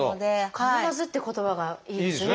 「必ず」って言葉がいいですね。